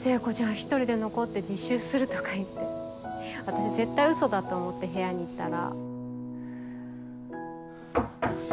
一人で残って自習するとか言って私絶対ウソだと思って部屋に行ったら。